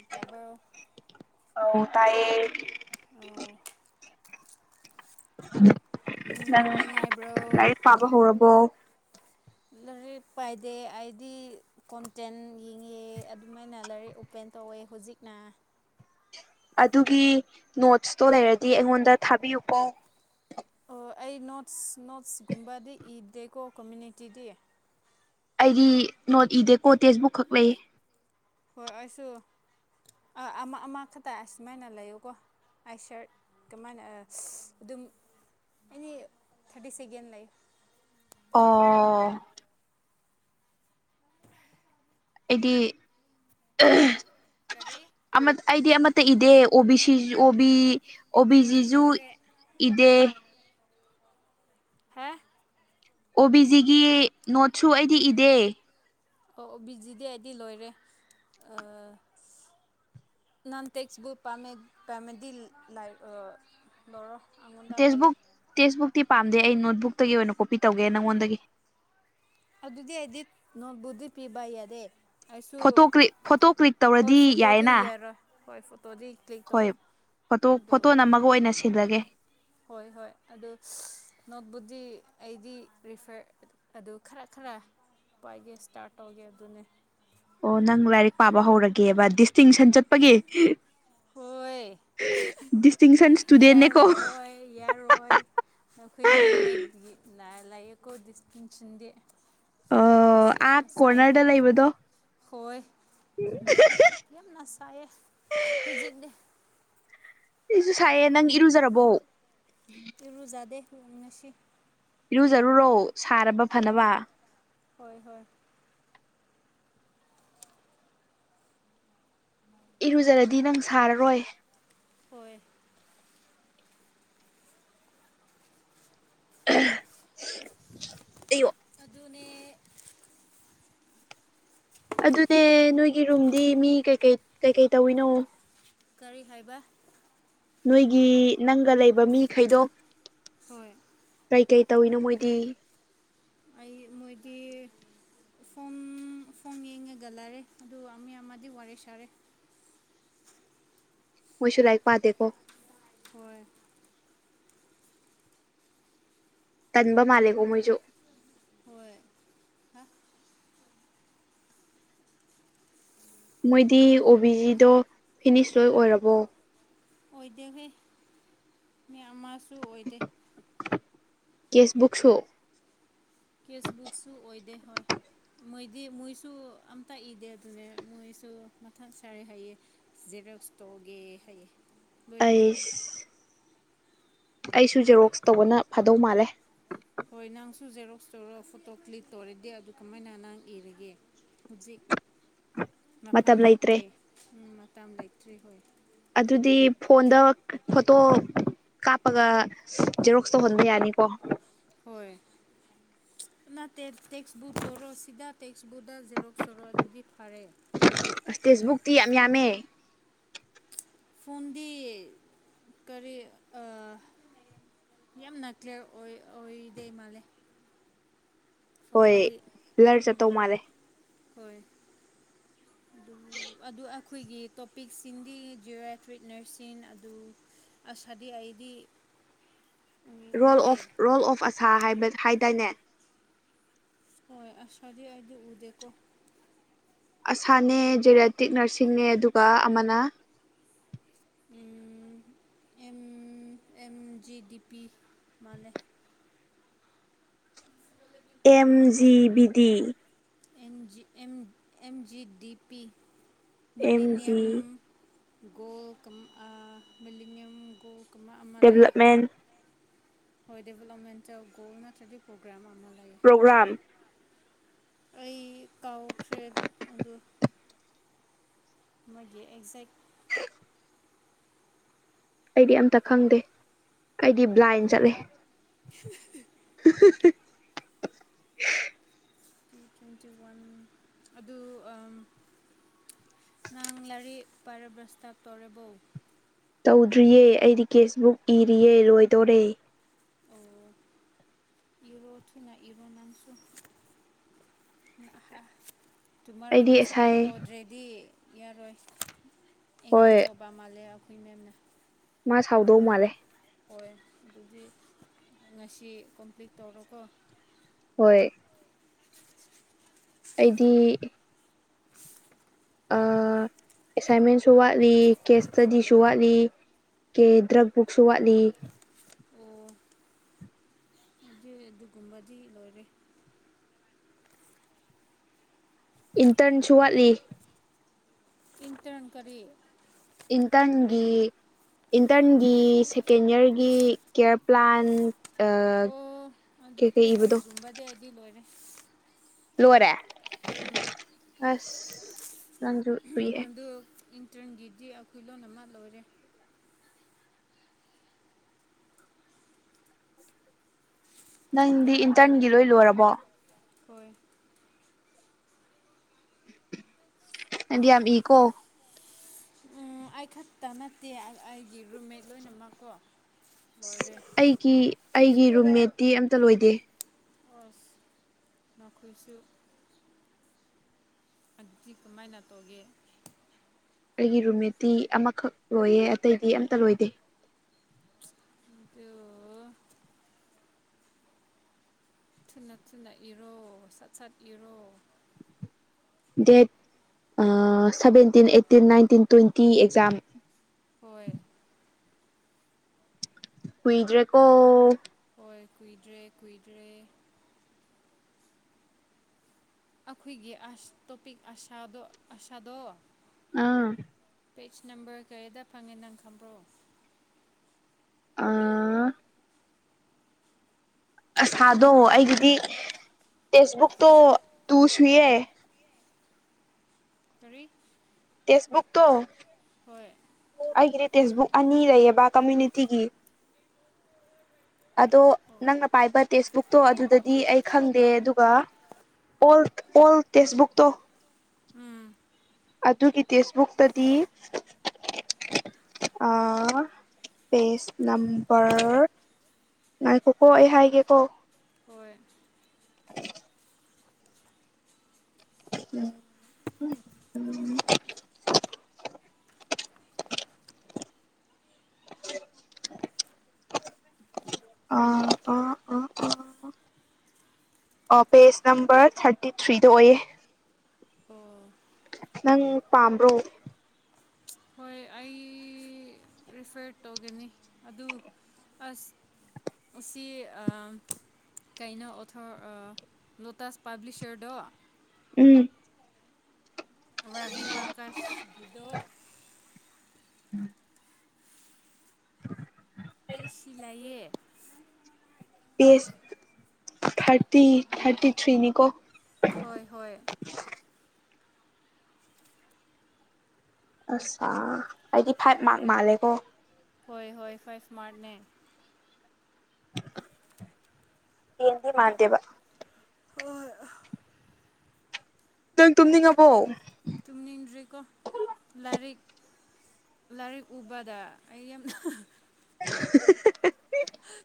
ꯏꯇꯕ ꯑ ꯇꯥꯏꯌꯦ ꯅꯪ ꯅꯨꯡꯉꯥꯏꯕ꯭ꯔꯣ ꯂꯥꯏꯔꯤꯛ ꯄꯥꯕ ꯍꯧꯔꯕꯣ [inaudible] ꯀ ꯄꯥꯏꯗꯦ ꯍꯥꯏꯗꯤ ꯀꯣꯟꯇꯦꯟ ꯌꯦꯡꯉꯦ ꯑꯗꯨꯃꯥꯏꯅ ꯂꯥꯏꯔꯤꯛ ꯑꯣꯄꯦꯟ ꯇꯧꯋꯦ ꯍꯧꯖꯤꯛ ꯅ ꯑꯗꯨꯒꯤ ꯅꯣꯠꯁꯇꯣ ꯂꯩꯔꯗꯤ ꯑꯩꯉꯣꯟꯗ ꯊꯥꯕꯤꯌꯨꯀꯣ ꯑꯣ ꯑꯩ ꯅꯣꯠꯁ ꯅꯣꯠꯁꯀꯨꯝꯕꯗꯤ ꯏꯗꯦꯀꯣ ꯀꯝꯃꯌꯨꯅꯤꯇꯤꯗꯤ ꯑꯩꯗꯤ ꯅꯣꯠ ꯏꯗꯦꯀꯣ ꯇꯦꯛꯁꯕꯨꯛ ꯈꯛ ꯂꯩꯌꯦ ꯍꯣꯏ ꯑꯩꯁꯨ ꯑꯃ ꯑꯃ ꯈꯛꯇꯁꯨꯃꯥꯏꯅ ꯂꯩꯌꯨꯀꯣ ꯑꯁꯔ ꯀꯃꯥꯏꯅ ꯑꯗꯨꯝ ꯑꯦꯅꯤ ꯊꯥꯔꯇꯤ ꯁꯦꯀꯦꯟ ꯂꯩ ꯑꯣ ꯑꯩꯗꯤ ꯀꯔꯤ ꯑꯩꯗꯤ ꯑꯃ ꯇ ꯏꯗꯦ ꯑꯣꯕꯤ ꯁꯤꯁꯨ ꯑꯣꯕꯤ ꯍꯣꯏ ꯑꯣꯕꯤꯖꯤꯖꯨ ꯂꯣꯏꯔꯦ ꯏꯗꯦ ꯍꯥꯦ ꯑꯣ ꯕꯤꯖꯤꯒꯤ ꯅꯣꯠꯁꯨ ꯑꯩꯗꯤ ꯏꯗꯦ ꯑꯣ ꯑꯣ ꯕꯤꯖꯤꯗꯤ ꯑꯩꯗꯤ ꯂꯣꯏꯔꯦ ꯅꯥꯟ ꯇꯦꯛꯁꯕꯨꯛ ꯄꯥꯃꯦꯗꯤ ꯂ ꯂꯧꯔꯣ ꯗꯂꯦ ꯛꯇꯤ ꯄꯥꯝꯗꯦ ꯑꯩ ꯅꯣꯠꯕꯨꯛꯇꯒꯤ ꯑꯣꯏꯅ ꯀꯣꯄꯤ ꯇꯧꯒꯦ ꯅꯪꯉꯣꯟꯗꯒꯤ ꯑꯗꯨꯗꯤ ꯍꯥꯏꯗꯤ ꯅꯕꯨꯗꯤ ꯄꯤꯕ ꯌꯥꯔꯦ ꯐꯣꯇꯣ ꯀ꯭ꯛ ꯐꯣꯇꯣ ꯀ꯭ꯂꯤꯛ ꯇꯧꯔꯗꯤ ꯐꯣꯇꯣꯗꯤ ꯌꯥꯏꯌꯦꯅ ꯌꯥꯔꯣꯏ ꯍꯣꯏ ꯐꯣꯇꯣꯗꯤ ꯀ꯭ꯂꯤꯛ ꯍꯣꯏ ꯇꯧꯔꯣ ꯐꯣꯇꯣ ꯑꯗꯨ ꯐꯣꯇꯣ ꯅꯝ ꯑꯃꯒ ꯑꯣꯏꯅ ꯁꯤꯜꯂꯒꯦ ꯍꯣꯏ ꯍꯣꯏ ꯑꯗꯨ ꯅꯣꯠꯕꯨꯛꯁꯤ ꯑꯩꯗꯤ ꯔꯤꯐꯔ ꯑꯗꯨ ꯈꯔ ꯈꯔ ꯈꯔꯦ ꯄꯥꯏꯒꯦ ꯏꯁꯇꯥꯔꯠ ꯇꯧꯒꯦ ꯑꯗꯨꯅꯦ ꯑꯣ ꯅꯪ ꯂꯥꯏꯔꯤꯛ ꯄꯥꯕ ꯍꯧꯔꯒꯦꯕ ꯗꯤꯁꯇꯤꯡꯁꯟ ꯆꯠꯄꯒꯤ ꯍꯣꯏ ꯁ ꯌꯥꯔꯣꯏ ꯌꯥꯔꯣꯏ ꯑꯩꯈꯣꯏ ꯔꯨꯃꯦꯠ ꯅ ꯂꯌꯦꯀꯣ ꯗꯤꯁꯀꯤꯆꯗꯤ ꯑꯣ ꯑꯁ ꯑꯥ ꯌꯥꯝꯅ ꯁꯥꯏꯌꯦ ꯀꯣꯔꯅꯔꯗ ꯂꯩꯕꯗꯣ ꯍꯣꯏ ꯌꯥꯝꯅ ꯁꯥꯏꯌꯦ ꯍꯧꯖꯤꯛꯅꯦ ꯁꯤꯁꯨ ꯁꯥꯏꯌꯦ ꯅꯪ ꯏꯔꯨꯖꯔꯕꯣ ꯏꯔꯨꯖꯥꯗꯦ ꯂꯅꯁꯤ ꯏꯔꯨꯖꯔꯨꯔꯣ ꯁꯥꯔꯕ ꯐꯅꯕ ꯍꯣꯏ ꯍꯣꯏ ꯏꯔꯨꯖꯔꯗꯤ ꯅꯪ ꯁꯥꯔꯔꯣꯏ ꯍꯣꯏ ꯑꯣ ꯑꯗꯨꯅ ꯑꯗꯨꯅꯦ ꯅꯣꯏꯒꯤ ꯔꯨꯝꯗꯤ ꯃꯤ ꯀꯩꯀꯩ ꯀꯩꯀꯩ ꯇꯧꯋꯤꯅꯣ ꯀꯔꯤ ꯍꯥꯏꯕ ꯅꯣꯏꯒꯤ ꯅꯪꯒ ꯂꯩꯕ ꯃꯤꯈꯩꯗꯣ ꯍꯣꯏ ꯀꯩꯀꯩ ꯇꯧꯏꯤꯅꯣ ꯃꯣꯏꯗꯤ ꯑꯩ ꯃꯣꯏꯗꯤ ꯐꯣꯝ ꯐꯣꯝ ꯌꯦꯡꯉꯒꯂꯔꯦ ꯑꯗꯨꯒ ꯃꯤ ꯑꯃꯗꯤ ꯋꯥꯔꯤꯦ ꯁꯥꯔꯦ ꯃꯣꯏꯁꯨꯔꯥꯏ ꯄꯥꯗꯦꯀꯣ ꯍꯣꯏ ꯇꯟꯕ ꯃꯥꯂꯦꯒꯣ ꯃꯣꯏꯁꯨ ꯍꯣꯏ ꯍꯥ ꯃꯣꯏꯗꯤ ꯑꯣ ꯕꯤ ꯖꯤꯗꯣ ꯐꯤꯅꯤꯁ ꯂꯣꯏ ꯑꯣꯏꯔꯕꯣ ꯑꯣꯏꯗꯦꯍꯦ ꯃ ꯑꯃꯁꯨ ꯑꯣꯏꯗꯦ ꯀꯦꯁꯕꯨꯛ ꯁꯣ ꯀꯦꯁꯕꯨꯛꯁꯨꯨ ꯑꯣꯏꯏꯗꯦ ꯍꯣꯏ ꯃꯣꯏꯗꯤ ꯃꯣꯏꯁꯨ ꯑꯝꯇ ꯏꯗꯦ ꯑꯗꯨꯅꯦ ꯃꯣꯏꯁꯨ ꯃꯊꯪ ꯁꯥꯔꯦ ꯍꯥꯏꯩꯌꯦ ꯔꯁꯇꯣꯒꯦ ꯍꯥꯏꯩ ꯣꯏꯅꯃ ꯑꯩꯁ ꯑꯩꯁꯨ ꯖꯦꯔꯣꯛꯁ ꯇꯧꯕꯅ ꯐꯥꯗꯧ ꯃꯥꯜꯂꯦ ꯍꯣꯏ ꯅꯪꯁꯨ ꯖꯦꯔꯣꯛꯁꯇꯣꯔꯔ ꯐꯣꯇꯣ ꯀ꯭ꯂꯤꯛ ꯇꯧꯔꯗꯤꯦ ꯑꯗꯨ ꯀꯃꯥꯏꯅ ꯅꯪ ꯏꯔꯒꯦ ꯍꯧꯖꯤꯛ ꯃꯇꯝ ꯃꯐꯝ ꯂꯩꯇ꯭ꯔꯦ ꯂꯩꯇꯦ ꯃꯇꯝ ꯂꯩꯇ꯭ꯔꯤ ꯍꯣꯏ ꯑꯗꯨꯗꯤ ꯐꯣꯟꯗ ꯐꯣꯇꯣ ꯀꯥꯞꯄꯒ ꯖꯦꯔꯣꯛꯁ ꯇꯧꯍꯟꯕ ꯌꯥꯅꯤꯀꯣ ꯍ ꯗ ꯖꯦꯔꯣꯛ ꯁꯔꯣꯛ ꯑꯗꯨꯗꯤ ꯐꯔꯦ ꯑꯁ ꯇꯦꯛꯁꯕꯨꯛꯇꯤ ꯌꯥꯝ ꯐꯣꯟ ꯌꯥꯝꯃꯦ ꯐꯣꯟꯗꯤ ꯀꯔꯤ ꯌꯥꯝꯅ ꯀ꯭ꯂꯤꯌꯥꯔ ꯑꯣꯏꯗꯦ ꯃꯥꯜꯂꯦ ꯍꯣꯏ ꯐꯣꯟꯗꯗꯤ ꯭ꯂꯔ ꯆꯠꯇꯧ ꯃꯥꯜꯂꯦ ꯍꯣꯏ ꯑꯗꯨ ꯑꯗꯨ ꯑꯩꯈꯣꯏꯒꯤ ꯇꯣꯄꯤꯛꯁꯤꯡꯗꯤ ꯖꯤꯑꯣꯋꯦꯐ꯭ꯔꯤꯛ ꯅꯔꯁꯤꯡ ꯑꯗꯨ ꯑꯁꯗꯤ ꯑꯩꯗꯤ ꯔꯣꯜ ꯎꯗꯦ ꯔꯣꯜ ꯑꯣꯐ ꯑꯁꯥ ꯍꯥꯏꯗꯥꯏꯅꯦ ꯍꯣꯏ ꯑꯁꯗꯤ ꯑꯩꯗꯤ ꯎꯗꯦꯀꯣ ꯑꯁꯥꯅꯦ ꯖꯦꯔꯦꯇꯤꯛ ꯅꯔꯁꯤꯡꯅꯦ ꯑꯗꯨꯒ ꯑꯃꯅ ꯎꯝ [inaudible] ꯑꯦꯝ ꯖꯤꯗꯤ ꯄꯤ ꯃꯥꯂꯦ M G B D ꯦꯝꯖꯤꯦꯝ M G D P M G millennium ꯣ ꯀꯝ ꯃꯂꯤꯅꯤꯌꯝ ꯣ ꯗꯦꯕꯂꯞꯃꯦꯟ ꯍꯣꯏ ꯗꯦꯕꯂꯞꯃꯦꯟ ꯆ ꯣꯜ ꯃꯠꯇ꯭ꯔꯗꯤ ꯄꯣꯒ꯭ꯔꯥꯝ ꯑꯃ ꯂꯩꯌꯦ ꯄꯣꯒ꯭ꯔꯝ ꯑꯩ ꯀꯥꯎꯈ꯭ꯔꯦ ꯑꯗꯨ ꯃꯥꯒꯤꯒꯤ ꯑꯦꯛꯖꯦꯛ ꯑꯩꯗꯤ ꯑꯝꯇ ꯈꯪꯗꯦ ꯑꯩꯗꯤ ꯕ꯭ꯂꯥꯏꯟ ꯆꯠꯂꯦ [inaudible] ꯇ꯭ꯋꯦꯟꯇꯤ ꯋꯥꯟ ꯑꯗꯨ ꯅꯥꯡ ꯂꯔꯤ ꯄꯔꯔꯕꯁꯇꯥꯞ ꯇꯧꯦꯔꯕꯧ ꯇꯧꯗ꯭ꯔꯤꯌꯦ ꯑꯩꯗꯤ ꯀꯦꯁꯕꯨꯛ ꯏꯔꯤꯑ ꯂꯣꯏꯗꯣꯔꯦ ꯑꯣ ꯌꯔꯣ ꯊꯅꯥ ꯏꯔꯣꯅꯥꯝꯁꯨ ꯑꯩꯗꯤ ꯇꯨꯃꯔꯣꯗꯤ ꯑꯁꯥꯏ ꯁꯝꯃꯤꯠ ꯇꯧꯗ꯭ꯔꯦꯗꯤ ꯌꯥꯔꯣꯏ ꯑꯦꯡꯕꯤ ꯍꯣꯏ ꯀꯧꯕꯧꯕ ꯃꯥꯜꯂꯦ ꯑꯩꯈꯣꯏ ꯃꯦꯝꯅ ꯃꯥ ꯁꯥꯎꯗꯧ ꯃꯥꯜꯂꯦ ꯑꯣꯏ ꯑꯗꯨꯗꯤ ꯉꯁꯤ ꯀꯝꯄ꯭ꯂꯤꯠ ꯇꯧꯔꯣꯀꯣ ꯍꯣꯏ ꯑꯩꯗꯤ ꯑꯦꯁꯥꯏꯟꯃꯦꯟꯁꯨ ꯋꯥꯠꯂꯤ ꯀꯦꯁ ꯏꯁꯇꯗꯤꯁꯨ ꯋꯥꯠꯂꯤ ꯀꯦ ꯗ꯭ꯔꯛ ꯕꯨꯛꯁꯨ ꯋꯥꯠꯂꯤ ꯑꯣ ꯑꯗꯨ ꯑꯗꯨꯒꯨꯝꯕꯗꯤ ꯂꯣꯏꯔꯦ ꯏꯟꯇꯔꯟꯁꯨ ꯋꯥꯠꯂꯤ ꯆꯟꯇ꯭ꯔꯟ ꯀꯔꯤ ꯏꯟꯇꯪꯒ ꯀꯔꯤꯒꯤ ꯏꯟꯇꯒꯤ ꯁꯦꯀꯦꯟ ꯏꯌꯥꯔꯒꯤ ꯀꯦꯌꯔ ꯄ꯭ꯂꯥꯟ ꯑꯥ ꯑꯣ ꯑꯗꯨꯗꯤ ꯀꯩꯀꯩ ꯏꯕꯗꯣ ꯑꯗꯨꯒꯨꯝꯕꯗꯤ ꯑꯩꯗꯤ ꯂꯣꯏꯔꯦ ꯂꯣꯏꯔꯦ ꯎꯝ ꯑꯁ ꯂꯪꯁꯨ ꯊꯨꯏꯦ ꯏꯟꯇ꯭ꯔꯟꯒꯤꯗꯤ ꯑꯩꯈꯣꯏ ꯂꯣꯟ ꯑꯃ ꯂꯣꯏꯔꯦ ꯅꯪꯗꯤ ꯏꯟꯇꯔꯟꯒꯤ ꯂꯣꯏ ꯂꯣꯏꯔꯕꯣ ꯍꯣꯏ ꯑꯦꯗꯤ ꯌꯥꯝ ꯏꯀꯣ ꯎ ꯑꯩ ꯈꯛꯇ ꯅꯠꯇꯦ ꯑꯩꯒꯤ ꯔꯨꯝꯃꯦꯠ ꯂꯣꯏꯅꯃꯛꯀꯣ ꯑꯁ ꯂꯣꯏꯔꯦ ꯑꯩꯒꯤ ꯑꯩꯒꯤ ꯔꯨꯝꯃꯦꯠꯇꯤ ꯑꯝꯇ ꯂꯣꯏꯗꯦ ꯑꯣ ꯅꯈꯣꯏꯁꯨ ꯑꯗꯨꯗꯤ ꯀꯃꯥꯏꯅ ꯇꯧꯒꯦ ꯑꯩꯒꯤ ꯔꯨꯝꯃꯦꯠꯇꯤ ꯑꯃꯈꯛ ꯂꯣꯏꯌꯦ ꯑꯇꯩꯗꯤ ꯑꯝꯇ ꯂꯣꯏꯗꯦ ꯗ ꯊꯨꯅ ꯊꯨꯅ ꯏꯔꯣ ꯁꯠ ꯁꯠ ꯏꯔꯣ date seventeen eighteen nineteen twenty exam ꯍꯣꯏ ꯍꯨꯏꯗ꯭ꯔꯦꯀꯣ ꯍꯣꯏ ꯀꯨꯏꯗ꯭ꯔꯦ ꯀꯨꯏꯗ꯭ꯔꯦ ꯑꯩꯈꯣꯏꯒꯤ ꯑꯁ ꯇꯣꯄꯤꯛ ꯑꯁꯥꯗꯣ ꯑꯁꯥꯗꯣ ꯑꯥ ꯄꯦꯆ ꯅꯝꯕꯔ ꯀꯔꯤꯗ ꯐꯪꯉꯦ ꯅꯪ ꯈꯪꯕ꯭ꯔꯣ ꯑꯥ ꯑꯁꯥꯗꯣ ꯑꯩꯒꯤꯗꯤ ꯇꯦꯛꯁꯕꯨꯛꯇꯣ ꯇꯨ ꯁꯨꯌꯦꯦ ꯇꯔꯤ ꯐꯦꯁꯕꯨꯛ ꯇꯣ ꯍꯣꯏ ꯇꯦꯛꯁꯕꯨꯛ ꯑꯅꯤ ꯂꯩꯌꯦꯕ ꯀꯝꯃ꯭ꯨꯅꯤꯇꯤꯒꯤ ꯑꯗꯣ ꯅꯪꯅ ꯄꯥꯏꯕ ꯇꯦꯛꯁꯕꯨꯛꯇꯣ ꯑꯗꯨꯗꯗꯤ ꯑꯩ ꯈꯪꯗꯦ ꯑꯗꯨꯒ ꯑꯣꯜ ꯑꯣꯜ ꯇꯦꯛꯁꯕꯨꯛ ꯇꯣ ꯑꯗꯨꯒꯤ ꯇꯦꯁꯕꯨꯛꯇꯗꯤ ꯑ ꯄꯦꯖ ꯅꯝꯝꯕꯔ ꯉꯅꯥꯀꯀꯣ ꯑꯦꯍꯥꯏꯒꯤꯀꯣ ꯍꯣꯏ [inaudible] ꯎꯝ ꯎꯝ [inaudible] [inaudible] [inaudible] ꯑ ꯑꯥ ꯑꯥ ꯑꯥ ꯑꯣ ꯄꯦꯖ ꯅꯝꯕꯔ ꯊꯥꯔꯇꯤ ꯊ꯭ꯔꯤꯗ ꯑꯣꯏꯌꯦ ꯑꯣ ꯅꯪ ꯄꯥꯝꯕ꯭ꯔꯣ ꯍꯣꯏ ꯑꯩ ꯔꯤꯐꯦꯔ ꯇꯧꯒꯅꯤ ꯑꯗꯨ ꯑꯁ ꯑꯁꯤꯁꯤ ꯀꯩꯅꯣ ꯑꯣꯊ ꯂꯣꯇꯥꯥꯁ ꯄꯥꯕ꯭ꯂꯤꯁꯔꯗꯣ ꯎꯝ ꯔꯕꯤ ꯄ꯭ꯔꯀꯁ ꯕꯤꯗꯑꯣ ꯎꯝ [inaudible] ꯑꯩ ꯁꯤ ꯂꯩꯌꯦ ꯁ ꯊꯥꯔꯇꯤ ꯊꯥꯔꯇꯤ ꯊ꯭ꯔꯤꯅꯤꯀꯣ ꯍꯣꯏ ꯍꯣꯏ ꯑꯁ ꯑꯥ ꯑꯩꯗꯤ ꯐꯥꯏꯚ ꯃꯥꯔꯛ ꯃꯥꯜꯂꯦꯀꯣ ꯍꯣꯏ ꯍꯣꯏ ꯐꯣꯏ ꯏꯁꯃꯥꯔꯠꯅꯦ ꯇꯦꯟꯗꯤ ꯃꯥꯟꯗꯦꯕ ꯍꯣꯢ ꯅꯪ ꯇꯨꯝꯅꯤꯡꯉꯕꯣ ꯇꯨꯡꯅꯤꯡꯗ꯭ꯔꯤꯀꯣ ꯂꯥꯏꯔꯤꯛ ꯂꯥꯏꯔꯤꯛ ꯎꯕꯗ ꯑꯩ ꯌꯥꯝꯅ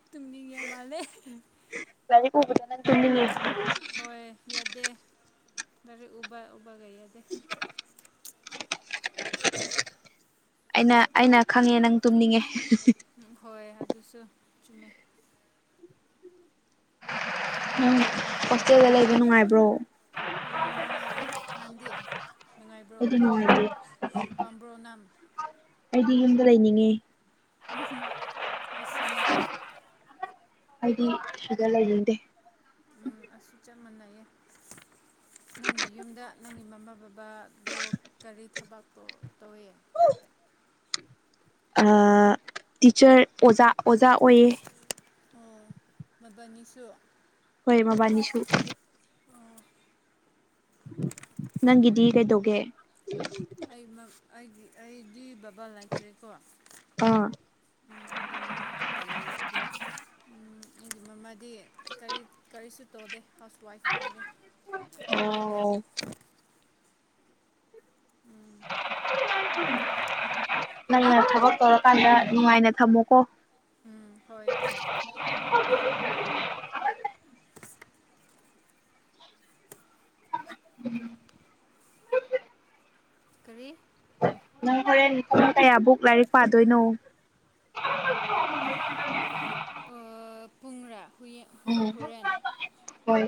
ꯇꯨꯃꯤꯗꯤ ꯀꯌꯥ ꯃꯥꯂꯦ ꯂꯥꯏꯔꯤꯛ ꯎꯕꯗ ꯅꯪ ꯇꯨꯝꯅꯤꯡꯑꯦꯕ ꯍꯣꯏ ꯌꯥꯗꯦ ꯔꯤꯛ ꯎꯕ ꯎꯕꯒ ꯌꯥꯗꯦ ꯑꯩꯅ ꯑꯩꯅ ꯈꯪꯉꯦ ꯅꯪ ꯇꯨꯝꯅꯤꯡꯉꯦ ꯍꯣꯏ ꯑꯗꯨꯁꯨ ꯆꯨꯝꯃꯦ ꯎꯝ ꯍꯣꯜꯁꯇꯦꯜꯗ ꯂꯩꯕ ꯅꯨꯡꯉꯥꯏꯕ꯭ꯔꯣ ꯎꯝ ꯅꯨꯡꯉꯥꯏꯔꯦ ꯅꯪꯗꯤ ꯅꯨꯡꯉꯥꯏꯕ꯭ꯔꯣ ꯑꯩꯗꯤ ꯅꯨꯡꯉꯥꯏꯇꯦ ꯄꯥꯝꯕ꯭ꯔꯣ ꯅꯪ ꯑꯩꯗꯤ ꯌꯨꯝꯗ ꯂꯩꯅꯤꯡꯉꯦ ꯑꯩꯁꯨꯅꯦ ꯑꯩꯗꯤ ꯁꯤꯗꯂꯩꯅꯤꯡꯗꯦ ꯃꯏ [unintelligible] ꯅꯪꯒꯤ ꯌꯨꯝꯗ ꯅꯪꯒꯤ ꯃꯃꯥ ꯕꯕꯥꯗꯣ ꯀꯔꯤ ꯊꯕꯛ ꯇꯧ ꯇꯧꯋꯦ ꯍꯣ ꯑꯥ ꯇꯤꯆꯔ ꯑꯣꯖꯥ ꯑꯣꯖꯥ ꯑꯣꯏꯌꯦ ꯑꯣ ꯃꯕꯥꯅꯤꯁꯨ ꯍꯣꯏꯌꯦ ꯃꯕꯥꯅꯤꯁꯨꯨ ꯅꯪꯒꯤꯗꯤ ꯀꯩꯗꯧꯒꯦ ꯑꯩ ꯑꯩꯒꯤ ꯑꯩꯗꯤ ꯂꯩꯇ꯭ꯔꯦꯀꯣ ꯑꯥ ꯎꯝ ꯑꯗꯨ ꯃꯃꯥ ꯈꯛꯇ ꯂꯩ ꯑꯗꯨ ꯑꯩꯒꯤ ꯃꯃꯥꯗꯤ ꯀꯔꯤ ꯀꯔꯤꯁꯨ ꯇꯧꯗꯦ ꯍꯥꯎꯁ ꯋꯥꯏꯐ ꯑꯣꯏꯔꯦ ꯑꯣ [unintelligible] ꯅꯪꯅ ꯊꯕꯛ ꯇꯧꯔꯀꯥꯟꯗ ꯅꯨꯡꯉꯥꯏꯅ ꯊꯝꯃꯨꯀꯣ [inaudible] ꯎꯝ ꯍꯣꯏ ꯍꯣꯏ ꯎꯝ [unintelligible] ꯀꯔꯤ ꯅꯪ ꯍꯣꯔꯦꯟ ꯄꯨꯡ ꯀꯌꯥꯕꯥꯎ ꯂꯥꯏꯔꯤꯛ ꯄꯥꯗꯣꯏꯅꯣ ꯑꯣ ꯍꯌꯦꯡ ꯎꯝ ꯍꯨꯔꯦꯟ ꯍꯣꯏ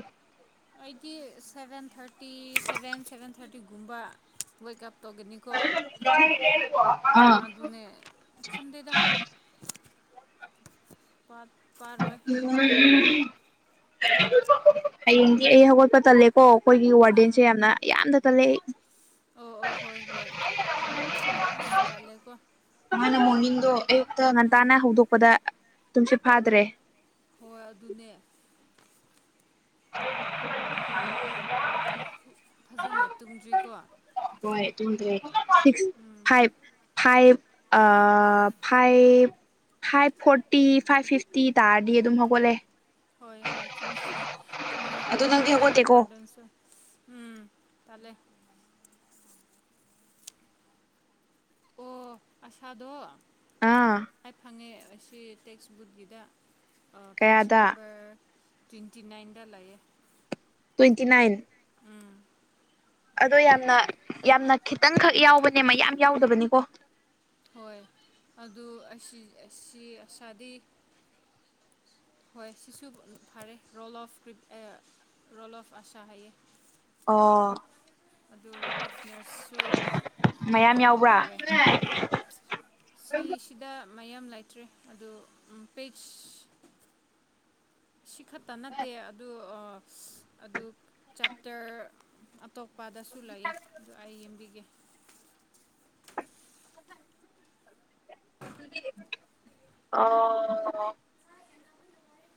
ꯑꯩꯗꯤ ꯁꯚꯦꯟ ꯊꯥꯔꯇꯤ ꯁꯚꯦꯟ ꯁꯚꯦꯟ ꯊꯥꯔꯇꯤꯒꯨꯝꯕ ꯑꯣꯏꯀꯞ ꯇꯧꯒꯅꯤꯀꯣ ꯑꯥ ꯑꯗꯨꯅꯦ ꯈꯟꯗꯦꯗ ꯋꯥꯠ [inaudible] ꯎꯝ ꯫꯫꯫꯫꯫ ꯍꯌꯦꯡꯗꯤ ꯑꯩ ꯍꯧꯒꯠꯄ ꯇꯜꯂꯦꯀꯣ ꯑꯩꯈꯣꯏꯒꯤ ꯋꯥꯔꯗꯦꯟꯁꯦ ꯎꯝ ꯌꯥꯝꯅ ꯌꯥꯝꯅ ꯇꯜꯂꯦ ꯑꯩ ꯑꯣ ꯑꯣ ꯍꯣꯏ ꯍꯣꯏ ꯑꯁ ꯇꯂꯦꯀꯣ ꯃꯥꯅ ꯃꯣꯔꯅꯤꯡꯗꯣ ꯑꯌꯨꯛꯇ ꯉꯟꯇꯥꯅ ꯍꯧꯗꯣꯛꯄꯗ ꯇꯝꯁꯤꯠ ꯐꯥꯗ꯭ꯔꯦ ꯍꯣꯏ ꯑꯗꯨꯅꯦ [unintelligible] ꯐꯖꯅ ꯇꯨꯝꯗ꯭ꯔꯤꯀꯣ [unintelligible] ꯁꯤꯛꯁ ꯐꯥꯏꯚ ꯐꯥꯏꯚ ꯑꯥ five five forty five fifty thirty ꯑꯗꯨꯝ ꯍꯧꯒꯠꯂꯦ ꯍꯣꯏ ꯍꯣꯏ ꯆꯨꯝꯃꯦ ꯆꯨꯝꯃꯦ ꯈꯣꯏꯒꯤ ꯀꯣ ꯋꯥꯔꯗꯦꯟꯁꯨ ꯎꯝ ꯇꯂꯦ ꯑꯣ ꯑꯁꯥꯗꯣ ꯑꯥ ꯍꯥꯏ ꯐꯪꯉꯦ ꯑꯁꯤ ꯇꯦꯛꯦꯛꯁ ꯕꯨꯛ ꯂꯤꯗ ꯄꯦꯖ ꯀꯌꯥꯗ ꯅꯝꯕꯝꯕꯔ ꯇ꯭ꯋꯦꯟꯇꯤ ꯅꯥꯏꯟꯗ ꯂꯑꯌꯦ ꯇ꯭ꯋꯦꯟꯇꯤ ꯅꯥꯏꯟ ꯑꯗꯣ ꯌꯥꯝꯅ ꯌꯥꯝꯅ ꯈꯤꯇꯪꯈꯛ ꯌꯥꯎꯕꯅꯦ ꯃꯌꯥꯝ ꯌꯥꯎꯗꯕꯅꯤꯀꯣ ꯍꯣꯏ ꯑꯗꯨ ꯑꯁꯤ ꯑꯁꯥꯗꯤ ꯍꯣꯏ ꯁꯤꯁꯨ ꯐꯔꯦ ꯔꯣꯜ ꯑꯣꯐꯔꯤ ꯔꯣꯜ ꯑꯣꯐ ꯑꯁꯥ ꯍꯥꯏꯌꯦ ꯑꯣ ꯑꯗꯨ ꯔꯣꯜ ꯑꯣꯐ ꯅꯦꯔꯁꯁꯨ ꯃꯌꯥꯝ ꯏꯝꯄꯣꯔꯇꯦꯟ ꯌꯥꯎꯕ꯭ꯔꯥ ꯑꯣꯏꯋꯦ ꯁꯤꯁꯤꯗ ꯃꯌꯥꯝ ꯂꯩꯇ꯭ꯔꯦ ꯑꯗꯨ ꯄꯦꯖ ꯁꯤ ꯈꯛꯇ ꯅꯠꯇꯦ ꯑꯗꯨ ꯑꯗꯨ ꯆꯥꯞꯇꯔ ꯑꯇꯣꯞꯄꯗꯁꯨ ꯂꯩꯑ ꯑꯗꯨꯗ ꯑꯩ ꯌꯦꯡꯕꯤꯒꯦ [inaudible] ꯑꯣ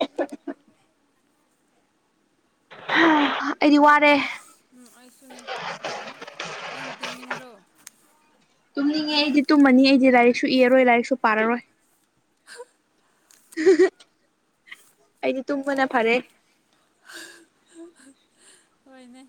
[inaudible] ꯑꯩꯗꯤ ꯋꯥꯔꯦ ꯎꯝ ꯑꯩꯁꯨꯅꯦ ꯅꯥꯟ ꯇꯨ ꯅꯅꯤ꯭ꯔꯣ ꯇꯨꯝꯅꯤꯡꯉꯦ ꯑꯩꯗꯤ ꯇꯨꯝꯃꯅꯤ ꯑꯩꯗꯤ ꯂꯥꯏꯔꯤꯛꯁꯨ ꯏꯔꯔꯣꯏ ꯂꯥꯏꯔꯤꯛꯁꯨ ꯄꯥꯔꯔꯣꯏ ꯑꯩꯗꯤ ꯇꯨꯝꯕꯅ ꯐꯔꯦ ꯍꯣꯏꯅꯦ